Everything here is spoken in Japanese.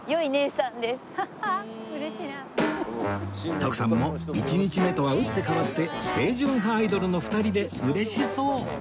徳さんも１日目とは打って変わって清純派アイドルの２人で嬉しそう